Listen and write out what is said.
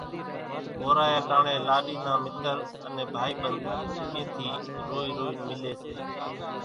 وورايا ٽاڻيَ لاڏِي نان مِتر انين ڀائِي ٻنڌ اين ٿِي روئِي روئينَ مِليَ سي۔